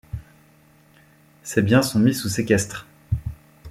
Ses biens sont mis sous séquestre.